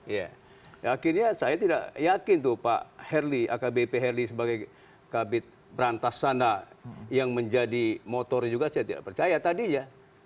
ya akhirnya saya tidak yakin tuh pak herli akbp herli sebagai kabit berantas sana yang menjadi motor juga saya tidak percaya tadi ya